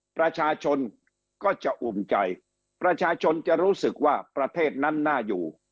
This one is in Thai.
ประชาชนก็จะอุ่นใจประชาชนจะรู้สึกว่าประเทศนั้นน่าอยู่